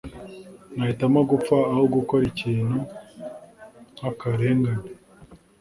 Nahitamo gupfa aho gukora ikintu nkakarengane.